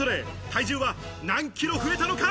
体重は何キロ増えたのか？